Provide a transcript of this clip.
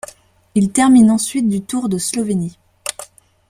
Il termine ensuite du Tour de Slovénie.